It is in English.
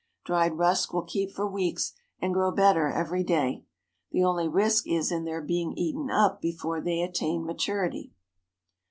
Dried rusk will keep for weeks, and grow better every day. The only risk is in their being eaten up before they attain maturity.